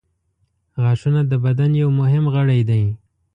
• غاښونه د بدن یو مهم غړی دی.